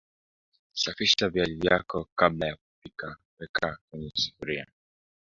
safisha viazi vyako kabla ya kupika weka kwenye sufuria